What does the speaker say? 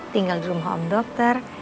tinggal di rumah om dokter